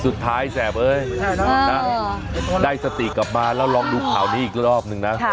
แสบเอ้ยได้สติกลับมาแล้วลองดูข่าวนี้อีกรอบนึงนะ